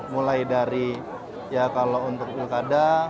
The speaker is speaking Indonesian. mulai dari ya kalau untuk pilkada